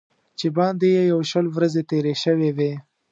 چې باندې یې یو شل ورځې تېرې شوې وې.